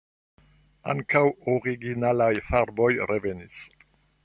Ankaŭ originalaj farboj revenis.